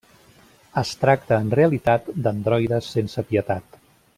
Es tracta en realitat d'androides sense pietat.